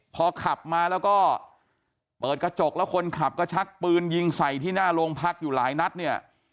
พอขับมาแล้วก็เปิดกระจกแล้วคนขับก็ชักปืนยิงใส่ที่หน้าโรงพักอยู่หลายนัดเนี่ย